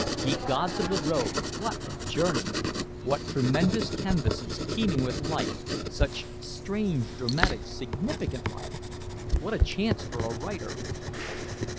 Ye Gods of the Road, what a journey! What tremendous canvases teeming with life, such strange, dramatic significant life! What a chance for a writer!